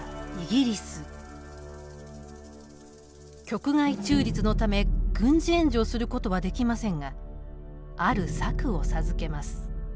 局外中立のため軍事援助をすることはできませんがある策を授けます。